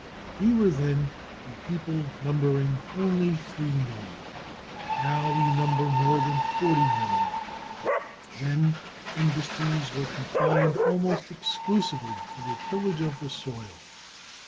We were then a people numbering only 3,000,000. Now we number more than 40,000,000. Then industries were confined almost exclusively to the tillage of the soil.